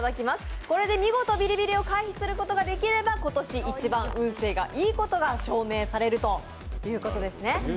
これで見事ビリビリを回避することができれば、今年一番運勢がいいことを証明できるんです。